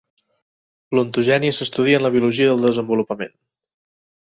L'ontogènia s'estudia en la biologia del desenvolupament.